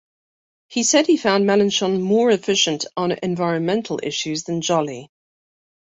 He said he found Melenchon more efficient on environmental issues than Joly.